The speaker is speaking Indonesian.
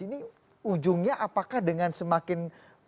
ini ujungnya apakah dengan semakin